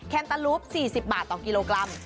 แนตาลูป๔๐บาทต่อกิโลกรัม